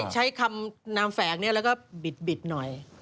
ใช้คำนามแฝงแล้วก็บิดหน่อย